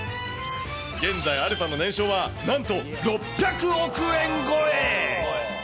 現在、アルファの年商は、なんと６００億円超え。